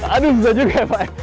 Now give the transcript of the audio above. aduh susah juga ya pak